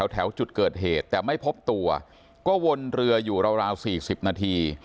แถวจุดเกิดเหตุแต่ไม่พบตัวก็วนเรืออยู่ราว๔๐นาที